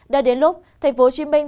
đã đến lúc thành phố hồ chí minh